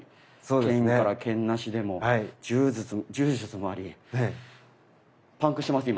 剣から剣なしでも柔術もありパンクしてます今。